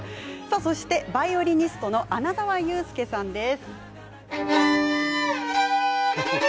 そして、バイオリニストの穴澤雄介さんです。